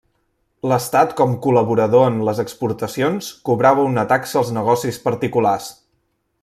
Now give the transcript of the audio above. L'Estat com col·laborador en les exportacions cobrava una taxa als negocis particulars.